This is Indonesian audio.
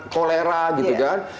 kolera gitu kan